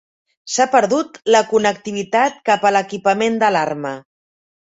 S'ha perdut la connectivitat cap a l'equipament d'alarma.